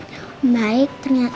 aku juga tau baik ternyata gak baik